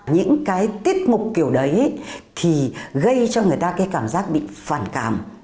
những cái tiết mục kiểu đấy thì gây cho người ta cái cảm giác bị phản cảm